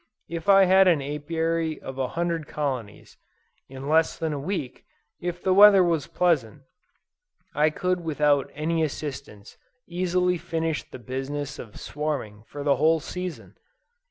If I had an Apiary of a hundred colonies, in less than a week, if the weather was pleasant, I could without any assistance easily finish the business of swarming for the whole season.